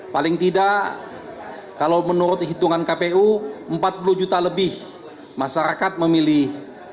paling tidak kalau menurut hitungan kpu empat puluh juta lebih masyarakat memilih